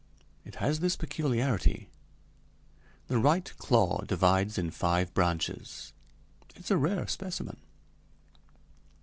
It has this peculiarity the right claw divides in five branches. It's a rare specimen."